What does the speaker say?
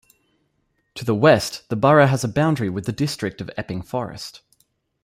To the west the borough has a boundary with the district of Epping Forest.